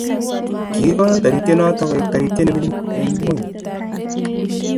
kikigoi toriyte noto koek toritye nimengin end ngony.